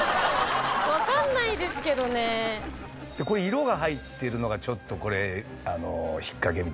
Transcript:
色が入ってるのがちょっとこれ引っかけみたいで。